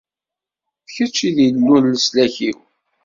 D kečč i d Illu n leslak-iw.